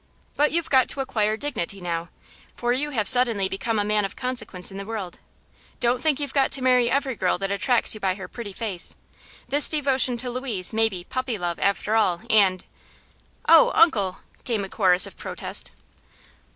But you've got to acquire dignity now, for you have suddenly become a man of consequence in the world. Don't think you've got to marry every girl that attracts you by her pretty face. This devotion to Louise may be 'puppy love,' after all, and " "Oh, Uncle!" came a chorus of protest.